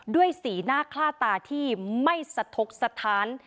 สีหน้าคล่าตาที่ไม่สะทกสถาน